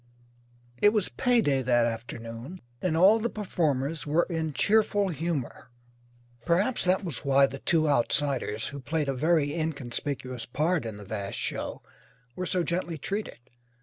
It was pay day that afternoon and all the performers were in cheerful humour. Perhaps that was why the two outsiders, who played a very inconspicuous part in the vast show, were so gently treated.